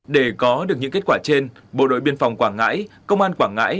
để có được những kết quả trên bộ đội biên phòng quảng ngãi công an quảng ngãi